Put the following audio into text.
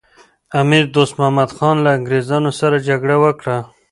امیر دوست محمد خان له انګریزانو سره جګړه وکړه.